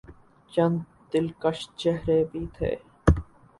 چند دلکش چہرے بھی تھے۔